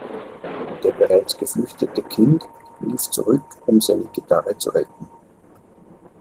Der bereits geflüchtete King lief zurück, um seine Gitarre zu retten.